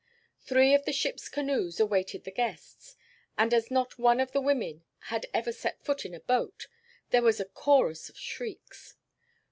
Three of the ship's canoes awaited the guests, and as not one of the women had ever set foot in a boat, there was a chorus of shrieks.